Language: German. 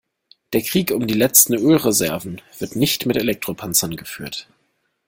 Der Krieg um die letzten Ölreserven wird nicht mit Elektropanzern geführt.